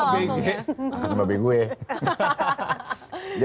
di bantah langsung ya